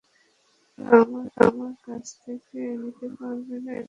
তোমরা আমার কাছ থেকে নিতে পারবে না এটা।